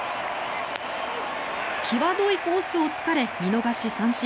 際どいコースを突かれ見逃し三振。